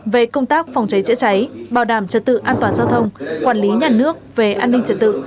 về công tác phòng cháy chữa cháy bảo đảm trật tự an toàn giao thông quản lý nhà nước về an ninh trật tự